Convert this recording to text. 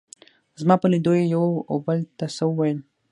زما په لیدو یې یو او بل ته څه وویل.